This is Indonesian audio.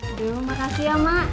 aduh makasih ya mak